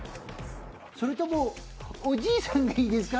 それとも、おじいさんがいいですか？